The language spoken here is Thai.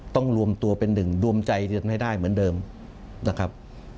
ต้องรวมตัวเป็นหนึ่งรวมใจกันให้ได้เหมือนเดิมนะครับ